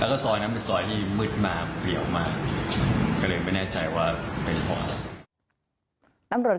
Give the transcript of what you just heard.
แล้วก็ซอยนั้นเป็นซอยที่มืดมากเผียวมาก